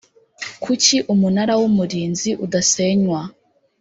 ku ki umunara w umurinzi udasenywa